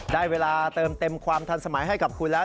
ได้เวลาเติมเต็มความทันสมัยให้กับคุณแล้ว